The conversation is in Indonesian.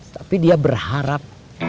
tapi dia berharap